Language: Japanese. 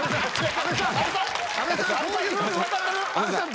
阿部さん